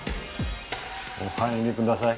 お入りください。